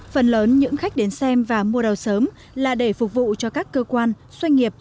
phần lớn những khách đến xem và mua đào sớm là để phục vụ cho các cơ quan